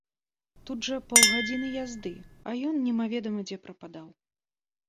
Тут жа паўгадзіны язды, а ён немаведама дзе прападаў.